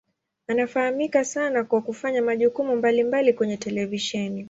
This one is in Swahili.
Anafahamika sana kwa kufanya majukumu mbalimbali kwenye televisheni.